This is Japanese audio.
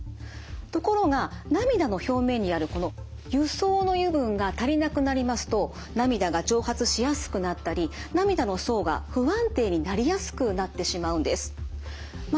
ところが涙の表面にあるこの油層の油分が足りなくなりますと涙が蒸発しやすくなったり涙の層が不安定になりやすくなってしまうんです。